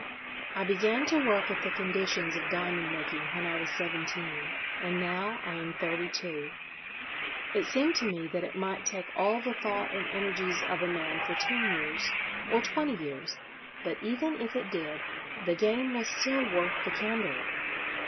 "I began to work at the conditions of diamond making when I was seventeen, and now I am thirty two. It seemed to me that it might take all the thought and energies of a man for ten years, or twenty years, but, even if it did, the game was still worth the candle.